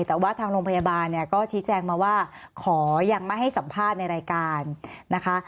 แต่ว่าทางโรงพยาบาลเนี่ยก็ชี้แจงมาว่าขอยังไม่ให้สัมภาษณ์ในรายการนะคะ